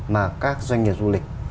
mà các doanh nghiệp du lịch